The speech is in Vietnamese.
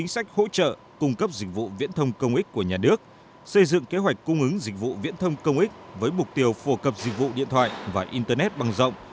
xây dựng kế hoạch cung ứng dịch vụ viễn thông công ích với mục tiêu phổ cập dịch vụ điện thoại và internet bằng rộng